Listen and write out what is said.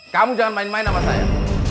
kamu jangan main main sama saya